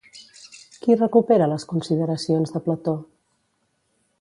Qui recupera les consideracions de Plató?